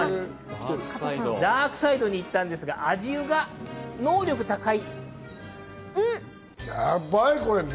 ダークサイドに行ったんですが味が能力高い。